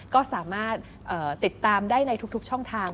ก็สามารถติดตามได้ในทุกช่องทาง